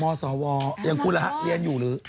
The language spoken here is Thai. สวอย่างคุณล่ะฮะเรียนอยู่หรือ